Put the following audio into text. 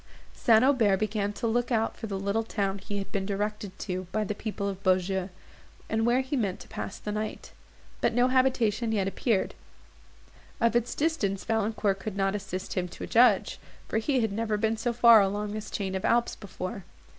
St. Aubert began to look out for the little town he had been directed to by the people of Beaujeu, and where he meant to pass the night; but no habitation yet appeared. Of its distance Valancourt could not assist him to judge, for he had never been so far along this chain of Alps before.